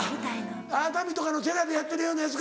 熱海とかの寺でやってるようなやつか。